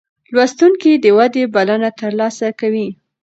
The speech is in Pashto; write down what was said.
لوستونکی د ودې بلنه ترلاسه کوي.